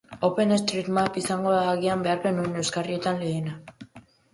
OpenStreetMap izango da agian behar genuen euskarrietan lehena.